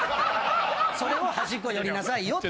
それははじっこ寄りなさいよって。